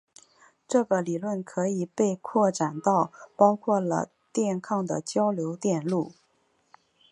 这个理论可以被扩展到包括了电抗的交流电路。